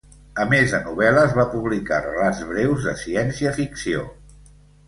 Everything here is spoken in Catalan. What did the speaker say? A més de novel·les, va publicar relats breus de ciència-ficció.